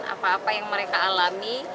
apa apa yang mereka alami